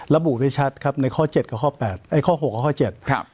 ระบุได้ชัดครับในข้อเจ็ดกับข้อแปดไอ้ข้อหกกับข้อเจ็ดครับ